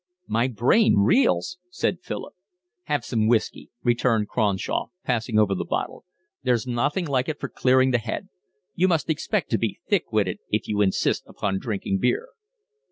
"My brain reels," said Philip. "Have some whiskey," returned Cronshaw, passing over the bottle. "There's nothing like it for clearing the head. You must expect to be thick witted if you insist upon drinking beer."